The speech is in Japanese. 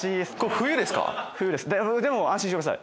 冬ですでも安心してください。